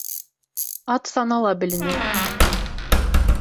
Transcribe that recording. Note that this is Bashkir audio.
Ат санала беленер.